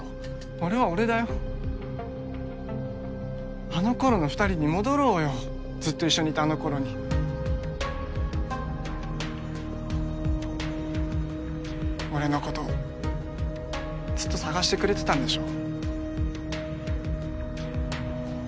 俺は俺だよあの頃の二人に戻ろうよずっと一緒にいたあの頃に俺のことずっと捜してくれてたんでしょ？